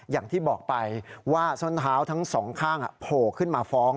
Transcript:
อย่างที่บอกไปว่าส้นเท้าทั้งสองข้างโผล่ขึ้นมาฟ้อง